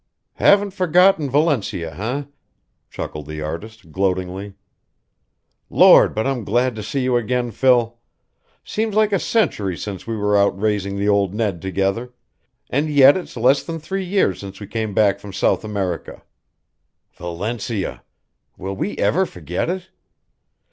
"Haven't forgotten Valencia, eh?" chuckled the artist, gloatingly. "Lord, but I'm glad to see you again, Phil. Seems like a century since we were out raising the Old Ned together, and yet it's less than three years since we came back from South America. Valencia! Will we ever forget it?